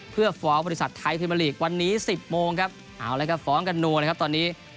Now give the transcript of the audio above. เพื่อฟ้องบริษัทไทยพรีเมอร์ลีกวันนี้๑๐โมงครับเอาแล้วก็ฟ้องกันนัวนะครับตอนนี้